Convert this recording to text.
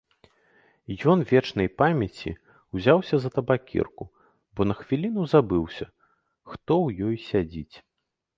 Ён, вечнай памяці, узяўся за табакерку, бо на хвіліну забыўся, хто ў ёй сядзіць.